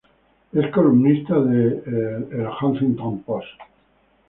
Es columnista de "The Huffington Post".